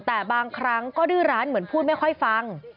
แต่บางครั้งก็ดื้อร้านเหมือนพูดไม่ค่อยฟัง